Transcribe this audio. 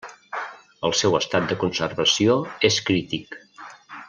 El seu estat de conservació és crític.